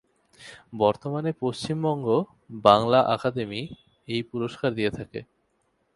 বর্তমানে পশ্চিমবঙ্গ বাংলা আকাদেমি এই পুরস্কার দিয়ে থাকে।